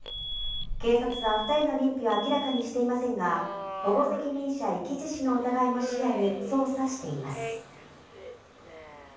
警察は２人の認否を明らかにしていませんが、保護責任者遺棄致死の疑いも視野に捜査しています。